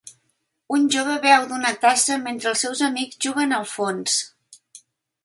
Un jove beu d'una tassa mentre els seus amics juguen al fons